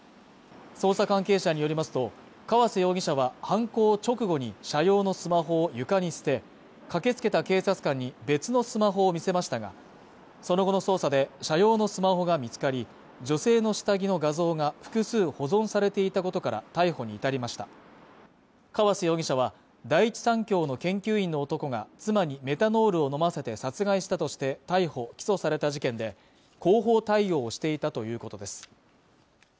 捜査関係者によりますと川瀬容疑者は犯行直後に社用のスマホを床に捨て駆けつけた警察官に別のスマホを見せましたがその後の捜査で社用のスマホが見つかり女性の下着の画像が複数保存されていたことから逮捕に至りました川瀬容疑者は第一三共の研究員の男が妻にメタノールを飲ませて殺害したとして逮捕・起訴された事件で対応をしていたということです